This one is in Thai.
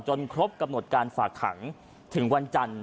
ครบกำหนดการฝากขังถึงวันจันทร์